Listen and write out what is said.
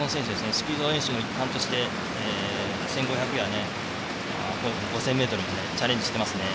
スピード練習の一環として１５００ｍや５０００ｍもチャレンジしていますね。